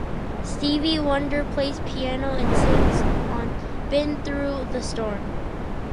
Stevie Wonder plays piano and sings on "Been Through the Storm".